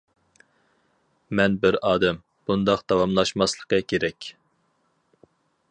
مەن بىر ئادەم، بۇنداق داۋاملاشماسلىقى كېرەك.